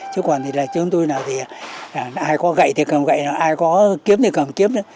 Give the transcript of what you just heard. chứ còn thì là chúng tôi nào thì ai có gậy thì cầm gậy là ai có kiếm thì cầm kiếm nữa